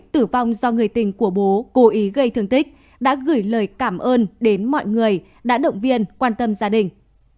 tử vong do người tình của bố cố ý gây thương tích đã gửi lời cảm ơn đến mọi người đã động viên quan tâm gia đình